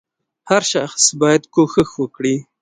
• هر شخص باید کوښښ وکړي.